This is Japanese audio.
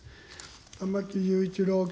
玉木雄一郎君。